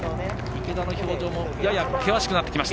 池田の表情もやや険しくなってきました。